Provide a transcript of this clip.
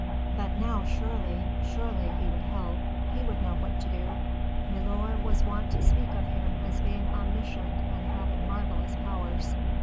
But now surely! surely! he would help, he would know what to do. Milor was wont to speak of him as being omniscient and having marvellous powers.